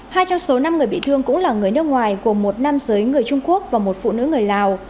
hai trong số năm người bị thương cũng là người nước ngoài gồm một nam giới người trung quốc và một phụ nữ người lào